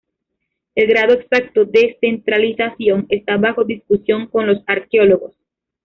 El grado exacto de centralización está bajo discusión con los arqueólogos.